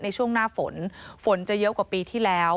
ในช่วงหน้าฝนฝนจะเยอะกว่าปีที่แล้ว